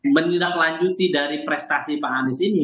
jadi apa yang akan dilakukan dari prestasi pak anies ini